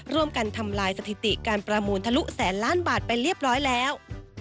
ทำลายสถิติการประมูลทะลุแสนล้านบาทไปเรียบร้อยแล้ว